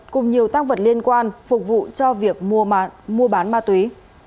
cùng nhiều tăng vật liên quan phục vụ cho việc mua bán ma túy